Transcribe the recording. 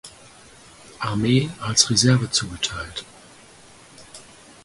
Armee als Reserve zugeteilt.